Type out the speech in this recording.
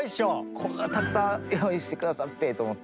こんなたくさん用意して下さってと思って。